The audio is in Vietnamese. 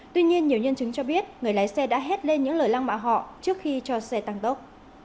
tuy nhiên nhiều nhân chứng cho biết người lái xe đã hết lên những lời lăng mạ họ trước khi cho xe tăng tốc